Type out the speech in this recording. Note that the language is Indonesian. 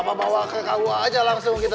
apa bawa kekau aja langsung kita tuh